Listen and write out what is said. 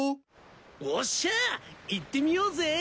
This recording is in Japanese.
おっしゃ行ってみようぜ。